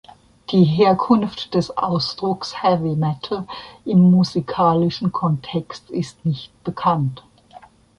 Die Herkunft des Ausdrucks "Heavy Metal" im musikalischen Kontext ist nicht bekannt.